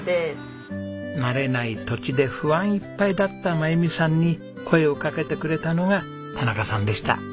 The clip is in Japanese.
慣れない土地で不安いっぱいだった真由美さんに声をかけてくれたのが田中さんでした。